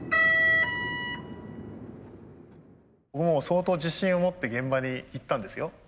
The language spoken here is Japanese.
もう相当自信を持って現場に行ったんですよ。